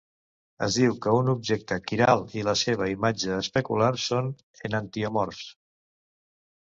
Es diu que un objecte quiral i la seva imatge especular són enantiomorfs.